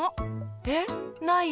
えっ？ないよ。